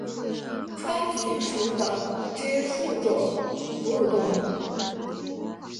川鼩属等之数种哺乳动物。